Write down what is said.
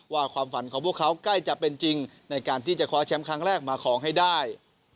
ความฝันของพวกเขาใกล้จะเป็นจริงในการที่จะคว้าแชมป์ครั้งแรกมาครองให้ได้